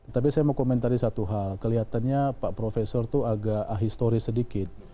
tapi saya mau komentari satu hal kelihatannya pak profesor itu agak ahistoris sedikit